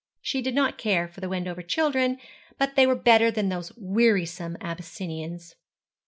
She did not care for the Wendover children, but they were better than those wearisome Abyssinians.